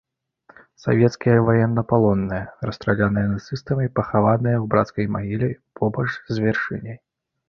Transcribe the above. Савецкія ваеннапалонныя, расстраляныя нацыстамі пахаваныя ў брацкай магіле побач з вяршыняй.